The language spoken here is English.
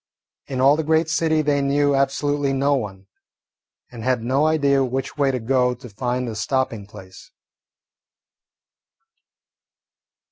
In all the great city they knew absolutely no one, and had no idea which way to go to find a stopping place.